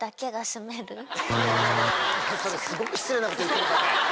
すごく失礼なこと言ってるから。